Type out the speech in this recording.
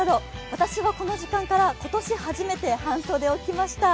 私はこの時間から、今年初めて半袖を着ました。